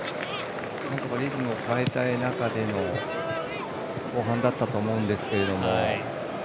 リズムを変えたい中での後半だったと思うんですけれども。